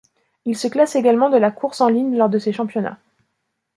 Il se classe également de la course en ligne lors de ces championnats.